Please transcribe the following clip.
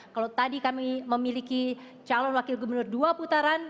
kalau tadi kami memiliki calon wakil gubernur dua putaran